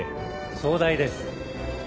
壮大です。